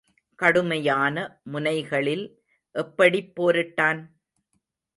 கடுமையான, முனைகளில் எப்படிப் போரிட்டான்?